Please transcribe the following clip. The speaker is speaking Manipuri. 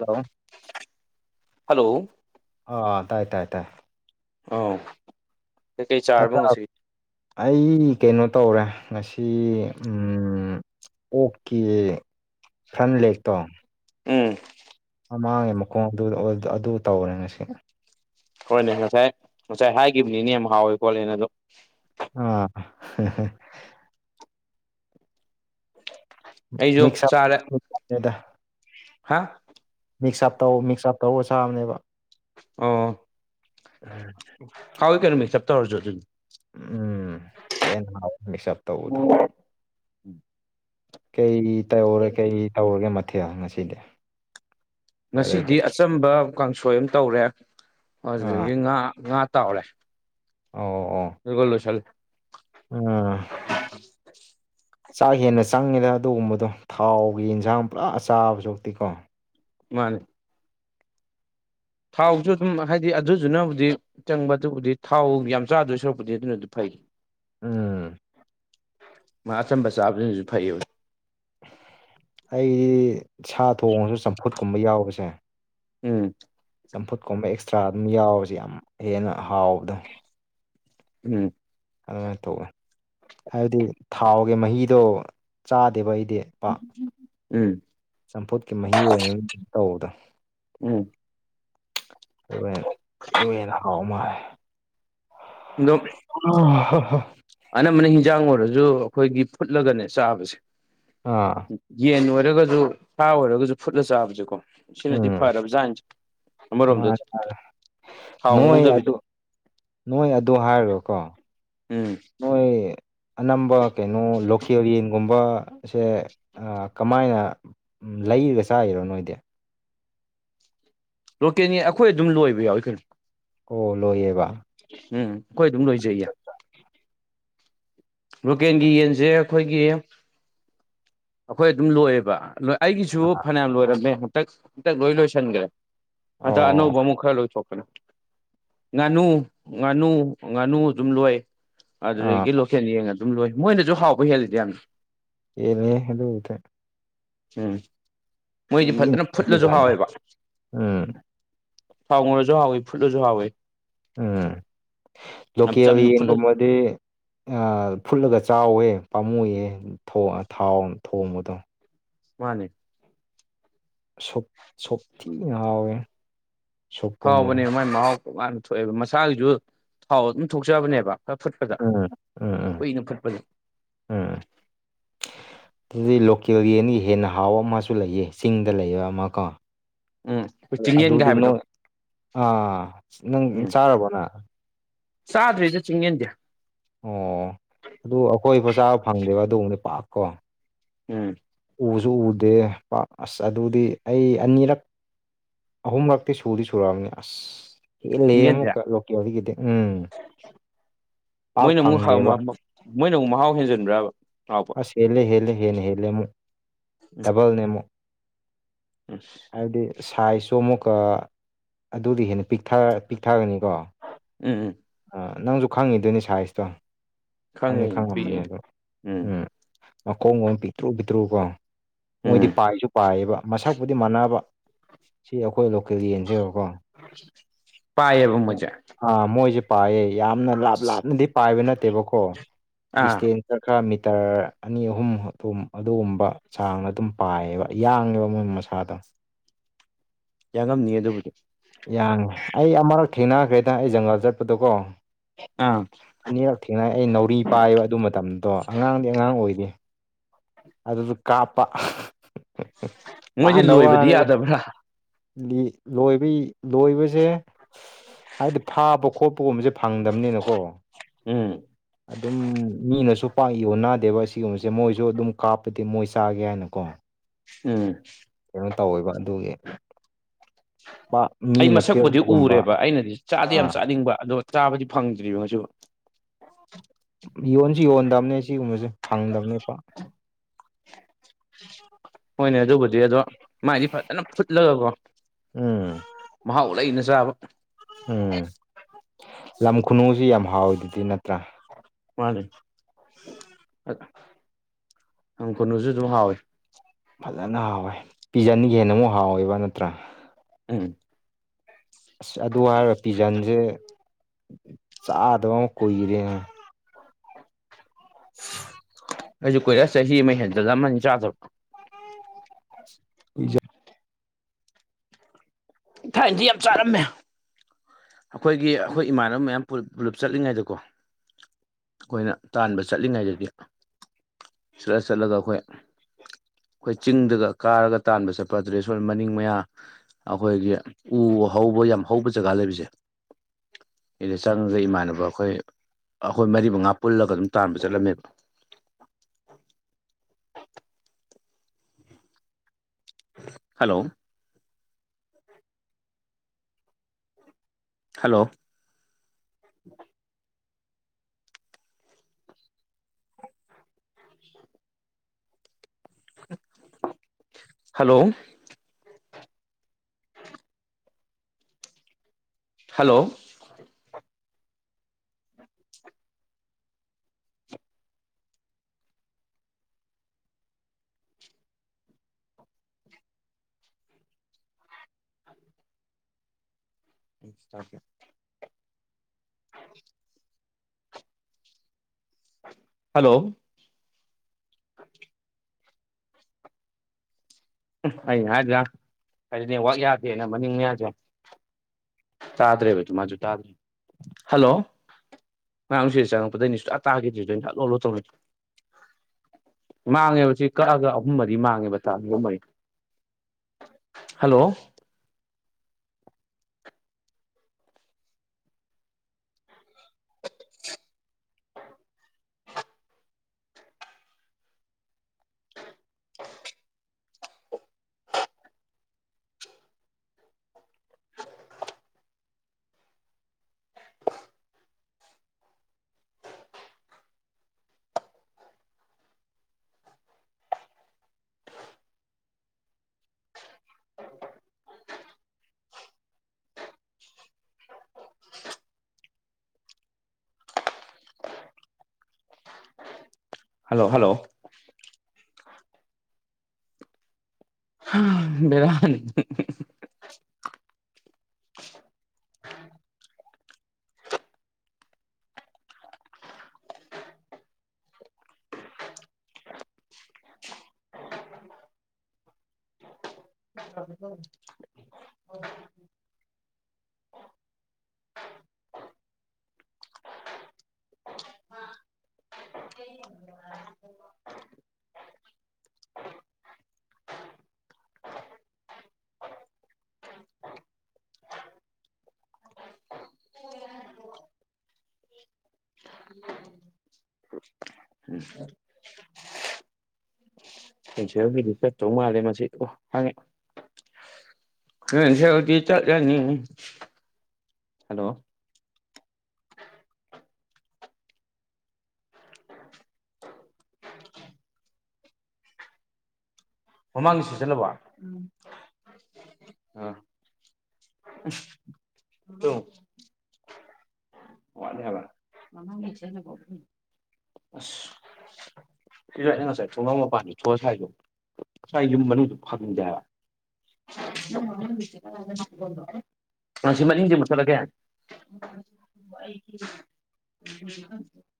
ꯇꯣ ꯍꯜꯂꯣ ꯑ ꯑ ꯇꯥꯏ ꯇꯥꯏ ꯇꯥꯏ ꯑꯥꯎ ꯑꯩ ꯀꯩꯅꯣ ꯇꯧꯔꯦ ꯉꯁꯤ ꯎꯝ ꯑꯣꯛꯀꯤ ꯐ꯭ꯔꯟ ꯂꯦꯛꯇꯣ ꯎꯝ ꯃꯥꯡꯉꯦ ꯃꯈꯣꯡ ꯑꯗꯨ ꯑꯗꯨ ꯇꯧꯔꯦ ꯉꯁꯤ ꯍꯣꯏꯅꯦ ꯉꯁꯥꯏ ꯉꯁꯥꯏ ꯍꯥꯏꯈꯤꯕꯅꯤꯅꯦ ꯌꯥꯝ ꯍꯥꯎꯋ ꯈꯣꯠꯂꯦꯅ ꯑꯗꯨ ꯑꯥ ꯍꯥ ꯍꯥ ꯑꯩꯁꯨ ꯆꯥꯔꯦ ꯃꯤꯁꯞꯗ ꯆꯠꯂꯦꯗ ꯍꯥ ꯃꯤꯛꯁ ꯑꯞ ꯇꯧ ꯃꯤꯛꯁ ꯑꯞ ꯇꯧꯔꯒ ꯆꯥꯕꯅꯦꯕ ꯑꯣ ꯀꯥꯎ ꯀꯩꯅ ꯃꯤ ꯁꯞꯇ ꯑꯣꯏꯔꯖ ꯑꯗꯨ [inaudible] ꯎꯝ ꯍꯦꯟꯅ ꯍꯥꯎꯕꯅꯦ ꯃꯤꯛꯁꯑꯞ ꯇꯧꯕꯗꯣ ꯀꯩ ꯇꯧꯔꯦ ꯀꯩ ꯇꯧꯔꯒꯦ ꯃꯊꯦꯜ ꯉꯁꯤꯗꯤ ꯕ꯭ꯔꯗꯔꯗꯤ ꯉꯁꯤꯗꯤ ꯑꯆꯝꯕ ꯀꯥꯡꯁꯣꯏ ꯑꯃ ꯇꯧꯔꯦ ꯑꯥ ꯑꯗꯨꯗꯒꯤ ꯉꯥ ꯉꯥ ꯇꯥꯎꯔꯦ ꯑꯣ ꯑꯣ [unintelligible] ꯎꯝ ꯆꯥꯛ ꯍꯦꯟꯅ ꯆꯪꯉꯦꯗ ꯑꯗꯨꯒꯨꯝꯕꯗꯣ ꯊꯥꯎꯒꯤ ꯌꯦꯟꯖꯥꯡ ꯄꯨꯔꯥ ꯑ ꯆꯥꯕꯁꯨ ꯎꯛꯇꯤꯀꯣ ꯃꯥꯅꯦ ꯊꯥꯎꯁꯨ ꯑꯗꯨꯝ ꯍꯥꯏꯗꯤ ꯑꯗꯨꯗꯨꯅꯕꯨꯗꯤ ꯆꯪꯕ ꯑꯗꯨꯕꯨꯗꯤ ꯊꯥꯎ ꯌꯥꯝ ꯆꯥꯗꯣꯏ ꯁꯣꯔꯛꯄꯨꯗꯤ ꯑꯗꯨꯅꯗꯤ ꯐꯩ ꯎꯝ ꯃꯥ ꯑꯆꯝꯕ ꯆꯥꯕꯁꯤꯅꯁꯨ ꯐꯩꯌꯦꯕ ꯑꯩ ꯁꯥ ꯊꯣꯡꯉꯁꯨ ꯆꯝꯐꯨꯠꯀꯨꯝꯕ ꯌꯥꯎꯕꯁꯦ ꯎꯝ ꯆꯝꯐꯨꯠꯀꯨꯝꯕ ꯑꯦꯛꯁꯇ꯭ꯔꯥ ꯑꯗꯨꯝ ꯌꯥꯎꯕꯁꯦ ꯌꯥꯝ ꯍꯦꯟꯅ ꯍꯥꯎꯕꯗꯣ ꯎꯝ ꯑꯗꯨꯃꯥꯏꯅ ꯇꯧꯋꯤ ꯍꯥꯏꯕꯗꯤ ꯊꯥꯎꯒꯤ ꯃꯍꯤꯗꯣ ꯆꯥꯗꯦꯕ ꯑꯩꯗꯤ ꯎꯝ ꯆꯝꯐꯨꯠꯀꯤ ꯃꯍꯤ ꯑꯣꯏꯅ ꯇꯧꯕꯗꯣ ꯎꯝ ꯑꯗꯨ ꯑꯗꯨꯅ ꯍꯦꯟꯅ ꯍꯥꯎ ꯃꯥꯜꯂꯦ ꯑꯗꯣ ꯎꯝ [inaudible] ꯑꯅꯝꯕꯅ ꯍꯤꯟꯖꯥꯡ ꯑꯣꯏꯔꯁꯨ ꯑꯩꯈꯣꯏꯒꯤ ꯐꯨꯠꯂꯒꯅꯦ ꯆꯥꯕꯁꯦ ꯑꯥ ꯌꯦꯟ ꯑꯣꯏꯔꯒꯁꯨ ꯁꯥ ꯑꯣꯏꯔꯒꯁꯨ ꯐꯨꯠꯂ ꯆꯥꯕꯁꯦꯀꯣ ꯁꯤꯅꯗꯤ ꯎꯝ ꯐꯔꯕꯖꯥꯠꯅꯤ ꯑꯃꯔꯣꯝꯗꯗꯤ ꯃꯥꯅꯦ ꯊꯥꯎ ꯅꯣꯏ ꯉꯧꯗꯕꯤꯗ ꯑꯗꯨ ꯅꯣꯏ ꯑꯗꯨ ꯍꯥꯏꯔꯀꯣ ꯎꯝ ꯅꯣꯏ ꯑꯅꯝꯕ ꯀꯩꯅꯣ ꯂꯣꯀꯦꯟ ꯌꯦꯟꯒꯨꯝꯕꯁꯦ ꯀꯃꯥꯏꯅ ꯎꯝ ꯂꯩꯔꯒ ꯆꯥꯢꯔꯣ ꯅꯣꯏꯗꯤ ꯂꯣꯀꯦꯟ ꯌꯦꯟ ꯑꯩꯈꯣꯏ ꯑꯗꯨꯝ ꯂꯣꯏꯕ ꯌꯥꯎꯋꯤ ꯀꯩꯅꯣ ꯑꯣ ꯂꯣꯢꯌꯦꯕ ꯎꯝ ꯑꯩꯈꯣꯏ ꯑꯗꯨꯝ ꯂꯣꯏꯖꯩꯌꯦ ꯂꯣꯀꯦꯜꯒꯤ ꯌꯦꯟꯁꯦ ꯑꯩꯈꯣꯏꯒꯤ ꯑꯩꯈꯣꯏ ꯑꯗꯨꯝ ꯂꯣꯏꯑꯦꯕ ꯑꯩꯒꯤꯁꯨ ꯐꯅꯌꯥꯝ ꯂꯣꯏꯔꯝꯃꯦ ꯍꯟꯇꯛ ꯍꯟꯇꯛ ꯂꯣꯏ ꯂꯣꯏꯁꯟꯈ꯭ꯔꯦ ꯍꯥꯟꯗꯛ ꯑꯣ ꯑꯅꯥꯎꯕ ꯑꯃꯨꯝ ꯈꯔ ꯂꯣꯢꯊꯣꯛꯈꯔꯦ ꯉꯥꯅꯨ ꯉꯥꯅꯨ ꯉꯥꯅꯨ ꯑꯗꯨꯝ ꯂꯣꯏ ꯑꯥ ꯑꯗꯨꯗꯒꯤ ꯂꯣ ꯂꯣꯀꯦꯟ ꯌꯦꯡ ꯑꯗꯨꯝ ꯂꯣꯏ ꯃꯣꯏꯅꯁꯨ ꯍꯥꯎꯕ ꯍꯦꯜꯂꯤꯗ ꯌꯥꯝ ꯌꯦꯟꯂꯦ ꯑꯗꯨꯕꯨꯗꯤ ꯎꯝ ꯃꯣꯏꯗꯤ ꯊꯤꯅ ꯐꯖꯅ ꯐꯨꯠꯂꯁꯨ ꯍꯦꯟꯕꯖꯥꯠꯅꯤ ꯍꯥꯎꯋꯦꯕ ꯎꯝ ꯊꯥꯎꯉꯔꯁꯨ ꯍꯥꯎꯏꯤ ꯐꯨꯠꯂꯁꯨ ꯍꯥꯎꯏꯤ ꯎꯝ ꯌꯥꯝ ꯂꯣꯀꯦꯜ ꯆꯝꯅ ꯐꯨꯠꯂ ꯌꯦꯟꯒꯨꯝꯕꯗꯤ ꯐꯨꯜꯂꯒ ꯆꯥꯎꯋꯦ ꯄꯥꯝꯃꯨꯌꯦ ꯊꯥꯎ ꯊꯣꯡꯕꯗꯣ ꯃꯥꯅꯦ ꯁꯨꯛ ꯁꯨꯛ ꯊꯤꯅ ꯍꯥꯎꯋꯦ ꯁꯨꯞꯀꯨꯝꯕꯁꯦ ꯍꯥꯎꯕꯅꯦꯕ ꯃꯥꯏ ꯃꯍꯥꯎ ꯇꯣꯀꯥꯟꯅ ꯊꯣꯛꯑꯦꯕ ꯃꯁꯥꯒꯤꯁꯨ ꯊꯥꯎ ꯑꯗꯨꯝ ꯊꯣꯛꯆꯕꯅꯦꯕ ꯍꯥ ꯐꯨꯠꯄꯗ ꯎꯝ ꯎꯝ ꯎꯝ ꯀꯨꯏꯅ ꯐꯨꯠꯄꯗ ꯎꯝ ꯑꯗꯨꯗꯤ ꯂꯣꯀꯦꯜ ꯌꯦꯟꯒꯤ ꯍꯦꯟꯅ ꯍꯥꯎ ꯑꯃꯁꯨ ꯂꯩꯑ ꯆꯤꯡꯗ ꯂꯩꯕ ꯑꯃ ꯀꯣ ꯎꯝ ꯑꯩꯈꯣꯏ ꯆꯤꯡꯌꯦꯟꯒ ꯑꯗꯨꯗꯤ ꯍꯥꯏꯕꯗꯣ ꯅꯣꯏ ꯑꯥ ꯅꯪ ꯎꯝ ꯆꯥꯔꯕꯣꯅ ꯆꯥꯗ꯭ꯔꯤꯗ ꯆꯤꯡꯌꯦꯟꯗꯤ ꯑꯣ ꯑꯗꯨ ꯑꯩꯈꯣꯏ ꯕ ꯆꯥꯥ ꯐꯪꯗꯦꯕ ꯑꯗꯨꯒꯨꯝꯕꯗꯤ ꯄꯥꯛꯀꯣ ꯎꯝ ꯎꯁꯨ ꯎꯗꯦ ꯄꯥꯛ ꯑꯁ ꯑꯗꯨꯗꯤ ꯑꯩ ꯑꯅꯤꯔꯛ ꯑꯍꯨꯝꯂꯛꯇꯤ ꯁꯨꯗꯤ ꯁꯨꯨꯔꯝꯃꯅꯤ ꯑꯁ ꯍꯦꯜꯂꯦ ꯆꯤꯡꯌꯦꯟꯁꯦ ꯑꯃꯨꯛꯀ ꯂꯣꯀꯦꯜꯒꯤꯗꯤ ꯎꯝ ꯄꯥꯛ ꯃꯣꯏꯅ ꯑꯃꯨꯛ ꯍꯥꯎ ꯃ ꯐꯪꯗꯦꯕ ꯃ ꯃꯣꯏꯅ ꯑꯃꯨꯛ ꯃꯍꯥꯎ ꯍꯦꯟꯖꯤꯟꯕ꯭ꯔꯥꯕ ꯍꯦꯂꯦ ꯍꯦꯂꯦ ꯍꯦꯂꯦ ꯍꯦꯂꯦ ꯃꯨꯛ ꯗꯕꯜꯅꯦ ꯃꯨꯛ ꯑꯁ [inaudible] ꯍꯥꯏꯕꯗꯤ ꯁꯥꯏꯖꯁꯨ ꯑꯃꯨꯛꯀ ꯑꯗꯨꯗꯤ ꯍꯦꯟꯅ ꯄꯤꯛꯊ ꯄꯤꯛꯊꯒꯅꯤꯀꯣ ꯎꯝ ꯎꯝ ꯑꯥ ꯅꯪꯁꯨ ꯈꯪꯉꯤꯗꯨꯅꯤ ꯁꯥꯏꯖꯇꯣ ꯈꯪꯉꯦ ꯈꯪꯅꯤ ꯈꯪꯉꯝꯃꯅꯤ ꯄꯤꯛꯑꯦ ꯑꯗꯣ ꯎꯝ ꯃꯈꯣꯡꯒꯨꯝ ꯄꯤꯛꯇ꯭ꯔꯨ ꯄꯤꯛꯇ꯭ꯔꯨꯀꯣ ꯃꯣꯏꯗꯤ ꯎꯝ ꯄꯥꯏꯁꯨ ꯄꯥꯏꯌꯦꯕ ꯃꯁꯛꯄꯨꯗꯤ ꯃꯥꯟꯅꯕ ꯁꯤ ꯑꯩꯈꯣꯏ ꯂꯣꯀꯦꯜ ꯒꯤ ꯌꯦꯟꯁꯤꯒꯀꯣ ꯄꯥꯢꯌꯦꯕ ꯃꯣꯢꯖꯦ ꯑꯥ ꯃꯣꯏꯁꯦ ꯄꯥꯏꯌꯦ ꯌꯥꯝꯅ ꯂꯥꯞ ꯂꯥꯞꯅꯗꯤ ꯄꯥꯏꯕ ꯅꯠꯇꯦꯕꯀꯣ ꯑꯥ ꯗꯤꯁꯇꯦꯟ꯫ ꯈꯔ ꯃꯤꯇꯔ ꯑꯅꯤ ꯑꯍꯨꯝ ꯑꯗꯨ ꯑꯗꯨꯒꯨꯝꯕ ꯆꯥꯡꯅ ꯑꯗꯨꯝ ꯄꯥꯏꯌꯦꯕ ꯌꯥꯡꯉꯦꯕ ꯃꯣꯏ ꯃꯁꯥ꯫ [unintelligible] ꯌꯥꯉꯝꯅꯤ ꯑꯗꯨꯕꯨꯗꯤ ꯌꯥꯉꯦ ꯑꯩ ꯑꯃꯔꯛ ꯊꯦꯡꯅꯈ꯭ꯔꯦꯗ ꯑꯩ ꯖꯪꯒꯜ ꯆꯠꯄꯗꯣꯀꯣ ꯑꯥ ꯑꯅꯤꯔꯛ ꯊꯦꯡꯅꯩ ꯑꯩ ꯅꯥꯎꯔꯤ ꯄꯥꯏꯌꯦꯕ ꯑꯗꯨ ꯃꯇꯝꯗꯣ ꯑꯉꯥꯡꯗꯤ ꯑꯉꯥꯡ ꯑꯣꯏꯔꯤ ꯑꯗꯨꯁꯨ ꯀꯥꯞꯄꯥ [unintelligible] ꯃꯣꯏꯖꯦ ꯂꯣꯏꯕꯗꯤ ꯌꯥꯗꯕ꯭ꯔꯥ ꯒꯤ ꯂꯣꯏꯕꯩ ꯂꯣꯏꯕꯖꯦ꯫ ꯍꯥꯏ ꯐꯥꯕ ꯈꯣꯠꯄꯒꯨꯝꯕꯁꯦ ꯐꯪꯗꯕꯅꯤꯅꯀꯣ ꯎꯝ ꯑꯗꯨꯝ ꯃꯤꯅꯁꯨ ꯄꯥꯛ ꯌꯣꯟꯅꯥꯗꯦꯕ ꯑꯁꯤꯒꯨꯝꯕꯁꯦ ꯃꯣꯏꯁꯨ ꯑꯗꯨꯝ ꯀꯥꯞꯄꯗꯤ ꯃꯣꯏ ꯆꯥꯒꯦ ꯅꯥꯀꯣ ꯎꯝ ꯀꯩꯅꯣ ꯇꯧꯋꯦꯕ ꯑꯗꯨꯒꯤ ꯄꯥ꯫ ꯑꯩ ꯃꯁꯛꯄꯨꯗꯤ ꯎꯔꯦꯕ ꯑꯩꯅꯗꯤ ꯆꯥꯗꯤ ꯌꯥꯝ ꯑꯥ ꯆꯥꯅꯤꯡꯕ ꯑꯗꯣ ꯆꯥꯕꯗꯤ ꯐꯪꯗ꯭ꯔꯤꯕ ꯉꯁꯨ ꯌꯣꯟꯁꯨ ꯌꯣꯟꯗꯕꯅꯦ ꯁꯤꯒꯨꯝꯕꯁꯦ ꯐꯪꯗꯕꯅꯦ ꯄꯥꯛ [unintelligible] ꯍꯣꯏꯅꯦ ꯑꯗꯨꯕꯨꯗꯤ ꯑꯗꯣ ꯃꯥꯏꯗꯤ ꯐꯖꯅ ꯐꯨꯠꯂꯒꯀꯣ ꯎꯝ ꯃꯍꯥꯎ ꯂꯩꯅ ꯆꯥꯕ ꯎꯝ ꯂꯝ ꯈꯨꯅꯨꯁꯤ ꯌꯥꯝ ꯍꯥꯎꯋꯤꯗꯨꯗꯤ ꯅꯠꯇ꯭ꯔꯥ ꯃꯥꯅꯦ ꯂꯝ ꯈꯨꯅꯨꯁꯨ ꯑꯗꯨꯝ ꯍꯥꯎꯋꯤ ꯐꯖꯅ ꯍꯥꯎꯋꯦ ꯄꯤꯖꯟꯌꯦꯟꯅ ꯑꯃꯨꯛ ꯍꯥꯎꯋꯦꯕ ꯅꯠꯇ꯭ꯔꯥ ꯎꯝ ꯑꯁ ꯑꯗꯨ ꯍꯥꯏꯔ ꯄꯤꯖꯟꯖꯦ ꯆꯥꯗꯕ ꯑꯃ ꯀꯨꯏꯔꯦꯅꯦ ꯑꯩꯁꯨ ꯀꯨꯏꯔꯦ ꯆꯍꯤ ꯑꯃ ꯍꯦꯟ ꯖꯜꯂꯝꯝꯃꯅꯤ ꯆꯥꯗꯕ [unintelligible] ꯊꯥꯏꯅꯗꯤ ꯌꯥꯝ ꯆꯥꯔꯝꯃꯦ ꯑꯩꯈꯣꯏꯒꯤ ꯑꯩꯈꯣꯏ ꯏꯃꯥꯟꯅꯕ ꯃꯌꯥꯝ ꯄꯨꯂ ꯄꯨꯂꯞ ꯆꯠꯂꯤꯉꯩꯗꯀꯣ ꯑꯩꯈꯣꯏꯅ ꯇꯥꯟꯕ ꯆꯠꯂꯤꯉꯩꯗꯗꯤ ꯆꯠꯂ ꯆꯠꯂꯒ ꯑꯩꯈꯣꯏ ꯑꯩꯈꯣꯏ ꯆꯤꯡꯗꯒ ꯀꯥꯔꯒ ꯇꯥꯟꯕ ꯆꯠꯄ ꯑꯗꯨꯗ ꯁꯣ ꯃꯅꯤꯡ ꯃꯌꯥ ꯑꯩꯈꯣꯏꯒꯤ ꯎ ꯍꯧꯕ ꯌꯥꯝ ꯍꯧꯕ ꯖꯒꯥ ꯂꯩꯕꯁꯦ ꯁꯤꯗ ꯆꯪꯉꯒ ꯏꯃꯥꯟꯅꯕ ꯑꯩꯈꯣꯏ ꯑꯩꯈꯣꯏ ꯃꯔꯤ ꯃꯉꯥ ꯄꯨꯜꯂꯒ ꯑꯗꯨꯝ ꯇꯥꯟꯕ ꯆꯠꯂꯝꯃꯦꯕ ꯍꯜꯂꯣ ꯍꯜꯂꯣ [unintelligible] ꯍꯜꯂꯣ ꯍꯜꯂꯣ [unintelligible] ꯑ [unintelligible] ꯍꯜꯂꯣ ꯑꯩꯅ ꯍꯥꯏꯗ꯭ꯔꯥ [unintelligible] ꯅꯦꯠ ꯋꯥꯛ ꯌꯥꯗꯦꯅ ꯃꯅꯤꯡ ꯃꯌꯥꯁꯦ ꯇꯥꯗ꯭ꯔꯦꯕ ꯇꯨ ꯃꯖꯨ ꯇꯥꯗ꯭ꯔꯦ ꯍꯜꯂꯣ ꯅ ꯁꯤ ꯆꯪꯉꯛꯄꯗꯩꯅꯤ ꯁꯨꯇ ꯇꯥꯒꯤꯗꯔꯤꯗꯣ ꯑꯩ ꯍꯜꯂꯣ ꯍꯜꯂꯣ ꯇꯧ꯫ ꯃꯥꯡꯉꯦꯕꯁꯤ ꯀꯛꯑꯒ ꯑꯍꯨꯝ ꯃꯔꯤ ꯃꯥꯡꯉꯦꯕ ꯇꯥ ꯑꯍꯨꯝ ꯃꯔꯤꯗꯣ꯫ ꯍꯜꯂꯣ ꯍꯜꯂꯣ ꯍꯜꯂꯣ ꯕꯦꯔꯥꯅꯦ [unintelligible] [unintelligible] ꯄꯦꯟꯁꯤꯜꯒꯤꯗꯤ ꯀꯇꯧ ꯃꯥꯜꯂꯦ ꯃꯁꯤ ꯑꯣ ꯍꯪꯉꯦ ꯄꯦꯟꯁꯤꯜꯗꯤ ꯆꯠꯂꯅꯤ [unintelligible] ꯍꯜꯂꯣ ꯃꯃꯥꯡꯗ ꯁꯤ ꯆꯜꯂꯕ ꯑ [unintelligible] ꯋꯥꯠꯂꯤ ꯍꯥꯏꯕ [unintelligible] ꯑꯁ ꯁꯤꯁꯨ ꯑꯩꯅ ꯉꯁꯥꯏ ꯊꯣꯡꯅꯥꯎ ꯃꯄꯥꯟꯗ [unintelligible] ꯁꯥꯏ ꯌꯨꯝ ꯃꯅꯨꯡꯗ ꯐꯪꯗꯦ ꯍꯥꯏꯕ [unintelligible] ꯃꯥꯁꯤ ꯃꯅꯤꯡꯒꯤꯁꯦ ꯃꯨꯊꯠꯂꯒꯦ ꯑꯩꯒꯤ [unintelligible]